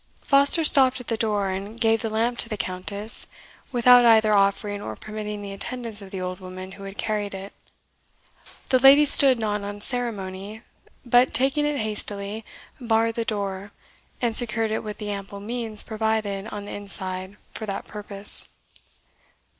Foster stopped at the door, and gave the lamp to the Countess, without either offering or permitting the attendance of the old woman who had carried it. The lady stood not on ceremony, but taking it hastily, barred the door, and secured it with the ample means provided on the inside for that purpose.